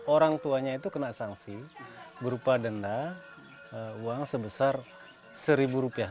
orang tuanya itu kena sanksi berupa denda uang sebesar seribu rupiah